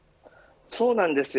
そうなんですよ。